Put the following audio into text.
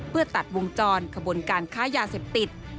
เพื่อตัดวงจรขบวนการค้ายาเสพติด